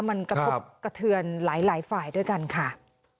มันกระทบกระเทือนหลายฝ่ายด้วยกันค่ะ